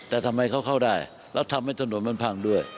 แต่ทำไมเขาเข้าได้แล้วทำให้ถนนมันพังด้วย